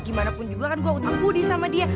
gimanapun juga kan gue utang budi sama dia